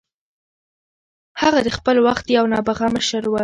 هغه د خپل وخت یو نابغه مشر و.